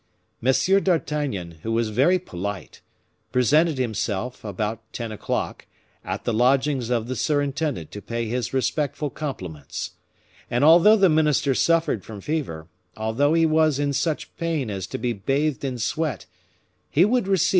M. d'Artagnan, who was very polite, presented himself, about ten o'clock, at the lodgings of the surintendant to pay his respectful compliments; and although the minister suffered from fever, although he was in such pain as to be bathed in sweat, he would receive M.